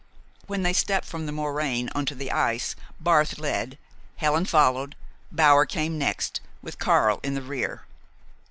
When they stepped from the moraine on to the ice Barth led, Helen followed, Bower came next, with Karl in the rear.